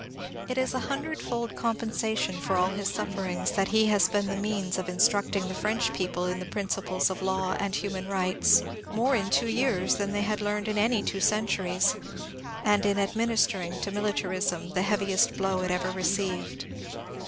It is a hundredfold compen sation for all his sufferings that he has been the means of instructing the French people in the principles of law and human rights more in two years than they had learned in any two centuries, and in administering to Militarism the heavi est blow it ever received.